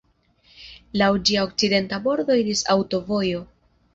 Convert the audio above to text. Laŭ ĝia okcidenta bordo iris aŭtovojo.